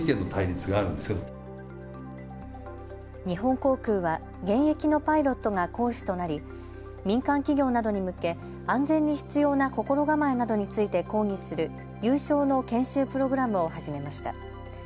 日本航空は現役のパイロットが講師となり民間企業などに向け安全に必要な心構えなどについて講義する有償の研修プログラムを始めました。